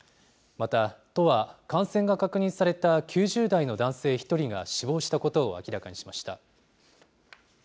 また、都は感染が確認された９０代の男性１人が死亡したことを明らかにしました。